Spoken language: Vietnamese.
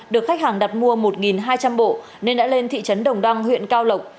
được khách hàng đặt mua một hai trăm linh bộ nên đã lên thị trấn đồng đăng huyện cao lộc